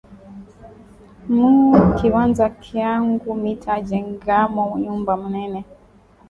Mu kiwanza kyangu mita jengamo nyumba munene